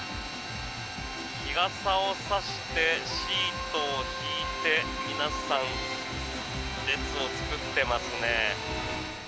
日傘を差してシートを敷いて皆さん列を作っていますね。